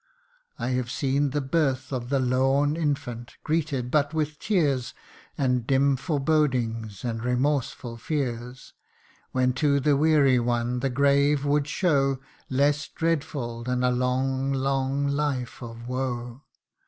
I have seen the birth Of the lorn infant, greeted but with tears, And dim forebodings, and remorseful fears, When to the weary one the grave would show Less dreadful than a long long life^of woe.